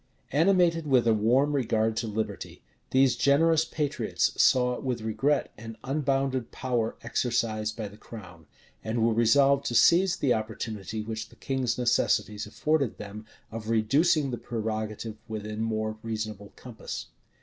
Animated with a warm regard to liberty, these generous patriots saw with regret an unbounded power exercised by the crown, and were resolved to seize the opportunity which the king's necessities offered them, of reducing the prerogative within more reasonable compass.